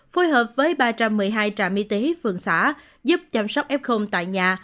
phối hợp với ba trăm một mươi hai trạm y tế phường xã giúp chăm sóc f tại nhà